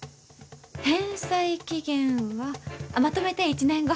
返済期限はまとめて１年後。